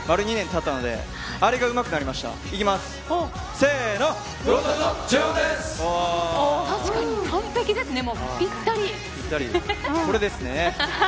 たったのであれがうまくなりましたね。